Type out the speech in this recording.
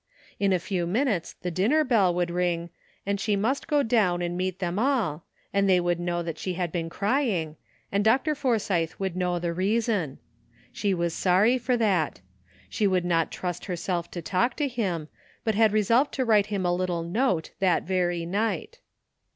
In a few minutes the dinner bell would ring, and she must go down and meet them all, and they would know she had been crying, and Dr. Forsythe would know the reason. She was sorry for that. She would not trust herself to talk to him, but had re solved to write him a little note that very night.